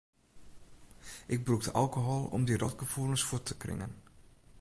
Ik brûkte alkohol om dy rotgefoelens fuort te kringen.